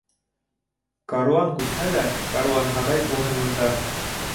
Каруан күсһә лә, Каруанһарай урынында.